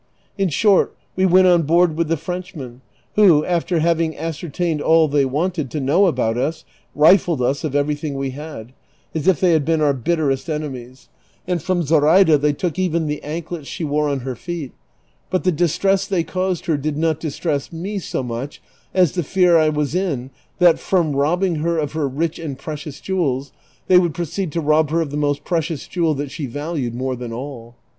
In siiort we went on board with the Frenchmen, who, after having ascertained all they wanted to know about us, rifled us of everything we had, as if they had been our bitterest enemies, and 356 DON QUIXOTE. from Zoraida they took ev^en the anklets she wore on her feet ; but the distress they caused her did not distress me so much as the fear I was in that from robbing her of lier rich and precious jewels they would proceed to rob her of the most precious jewel that she valued more than all.